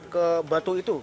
ke batu itu